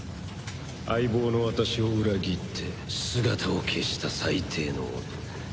相棒の私を裏切って姿を消した最低の男。